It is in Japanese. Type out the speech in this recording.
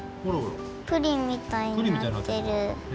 プリンみたいになってる。